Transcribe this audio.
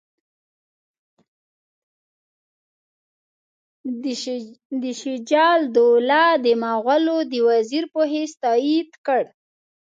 ده شجاع الدوله د مغولو د وزیر په حیث تایید کړ.